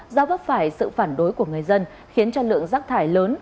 do vấp phải sự phản đối của người dân khiến cho lượng rác thải lớn